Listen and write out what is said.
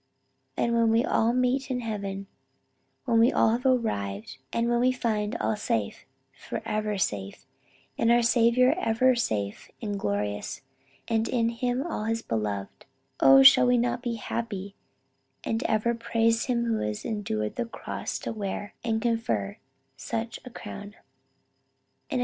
... "And when we all meet in Heaven when all have arrived, and we find all safe, forever safe, and our Saviour ever safe and glorious, and in him all his beloved oh shall we not be happy, and ever praise him who has endured the cross to wear and confer such a crown!"